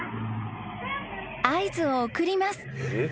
［合図を送ります］